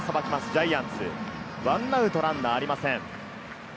ジャイアンツ、１アウトランナーありません。